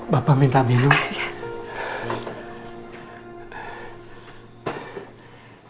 bapak minta minum